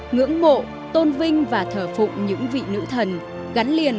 ngưỡng mộ tôn vinh và thờ phụng những vị nữ thần tài dharma awesome ngưỡng vọng người thân gắn liền với